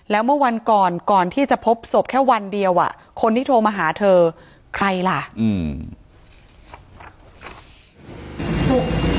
แล้วเมื่อวันก่อนก่อนที่จะพบศพแค่วันเดียวอ่ะคนที่โทรมาหาเธอใครล่ะอืม